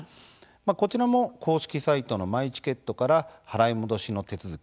こちらも公式サイトのマイチケットから払い戻しの手続き